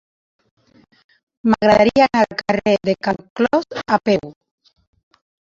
M'agradaria anar al carrer de Can Clos a peu.